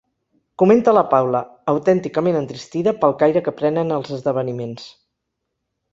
Comenta la Paula, autènticament entristida pel caire que prenen els esdeveniments.